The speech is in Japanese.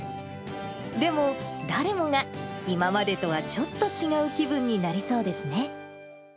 でも誰もが、今までとはちょっと違う気分になりそうですね。